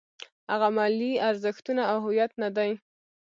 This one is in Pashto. هغه ملي ارزښتونه او هویت نه دی.